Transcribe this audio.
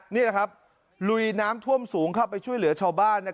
นี่แหละครับลุยน้ำท่วมสูงเข้าไปช่วยเหลือชาวบ้าน